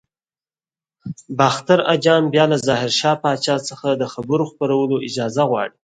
باختر اجان بیا له ظاهر شاه پاچا څخه د خبر خپرولو اجازه غواړي.